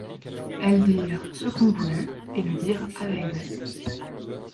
Elles dirent ce qu’on voulut, et le dirent avec zèle.